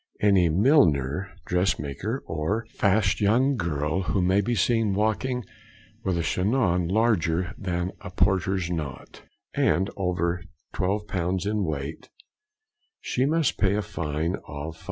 Any Milliner, dress maker, or fast young girl who may be seen walking with a chignon larger than a porter's knot, and over 12 pounds in weight, she must pay a fine of 5s.